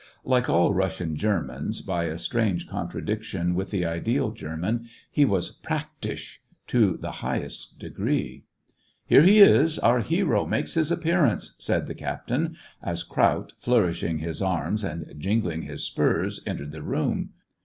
Like all Russian Germans, by a strange contradiction with the ideal German, he was "praktisch" to the highest degree. " Here he is, our hero makes his appearance !" said the captain, as Kraut, flourishing his arms and jingling his spurs, entered the room.